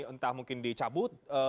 entah mungkin dicabut